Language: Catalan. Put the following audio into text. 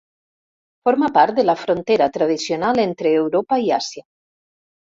Forma part de la frontera tradicional entre Europa i Àsia.